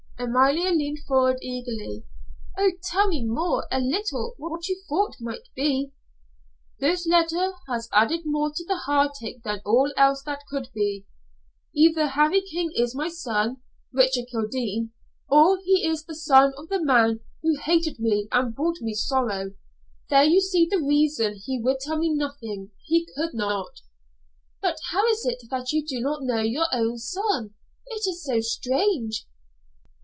Amalia leaned forward eagerly. "Oh, tell me more a little, what you thought might be." "This letter has added more to the heartache than all else that could be. Either Harry King is my son Richard Kildene or he is the son of the man who hated me and brought me sorrow. There you see the reason he would tell me nothing. He could not." "But how is it that you do not know your own son? It is so strange."